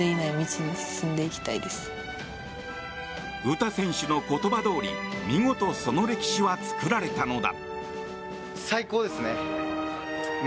詩選手の言葉どおり見事その歴史は作られたのだ。